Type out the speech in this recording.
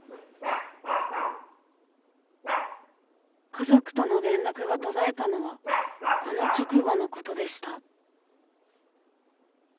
家族との連絡が途絶えたのはこの直後のことでした。